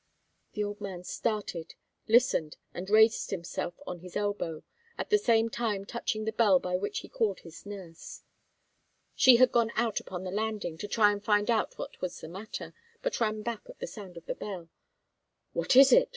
The old man started, listened, and raised himself on his elbow, at the same time touching the bell by which he called his nurse. She had gone out upon the landing, to try and find out what was the matter, but ran back at the sound of the bell. "What is it?